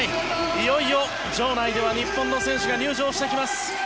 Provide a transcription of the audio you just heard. いよいよ場内では日本の選手が入場してきます。